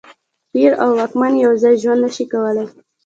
پیر او واکمن یو ځای ژوند نه شي کولای.